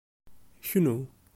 Knnu!